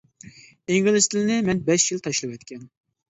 ئىنگلىز تىلىنى مەن بەش يىل تاشلىۋەتكەن.